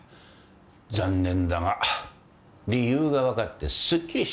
残念だが理由が分かってすっきりした。